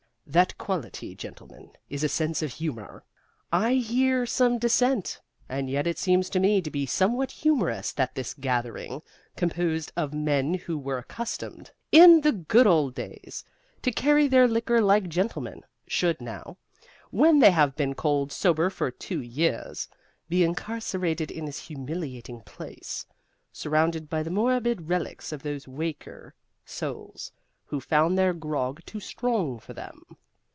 That quality, gentlemen, is a sense of humor. I hear some dissent; and yet it seems to me to be somewhat humorous that this gathering, composed of men who were accustomed, in the good old days, to carry their liquor like gentlemen, should now, when they have been cold sober for two years, be incarcerated in this humiliating place, surrounded by the morbid relics of those weaker souls who found their grog too strong for them.